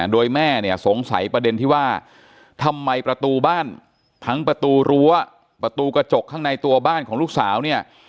โดยแม่เนี่ยสงสัยประเด็นที่ว่าทำไมประตูบ้านทั้งประตูรั้วประตูกระจกข้างในตัวบ้านของลูกสาวเนี่ย